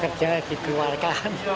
kerja di keluarga